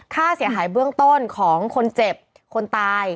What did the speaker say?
ค่าเสียหายเบื้องต้นของคนเจ็บคนตาย